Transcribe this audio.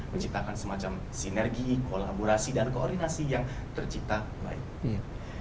menciptakan semacam sinergi kolaborasi dan koordinasi yang tercipta baik